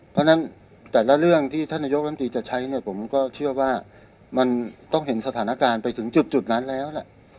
เพราะฉะนั้นแต่ละเรื่องที่ท่านนายกรรมตรีจะใช้เนี่ยผมก็เชื่อว่ามันต้องเห็นสถานการณ์ไปถึงจุดนั้นแล้วแหละ